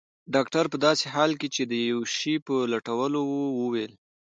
ډاکټر په داسې حال کې چي د یو شي په لټولو وو وویل.